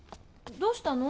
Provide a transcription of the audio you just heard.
どうしたの？